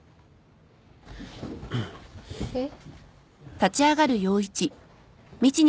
えっ？